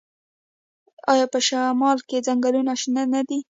آیا په شمال کې ځنګلونه شنه نه دي؟